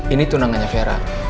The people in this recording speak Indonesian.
ini tunangannya vera